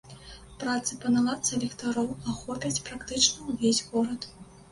Працы па наладцы ліхтароў ахопяць практычна ўвесь горад.